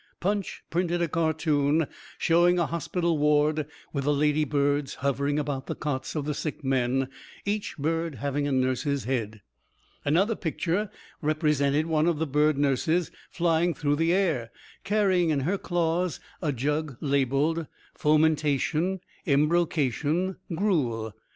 Punch printed a cartoon showing a hospital ward, with the "ladybirds" hovering about the cots of the sick men, each bird having a nurse's head. Another picture represented one of the bird nurses flying through the air, carrying in her claws a jug labeled "Fomentation, Embrocation, Gruel."